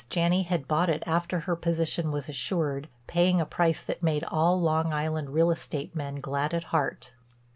Janney had bought it after her position was assured, paying a price that made all Long Island real estate men glad at heart.